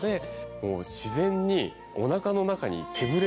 自然におなかの中に。